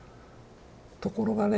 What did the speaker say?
ところがね